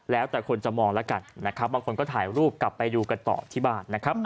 แล้วแต่คนจะมองละกันบางคนก็ถ่ายรูปกลับไปดูกันต่อที่บ้าน